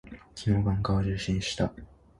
昨日、眼科を受診した。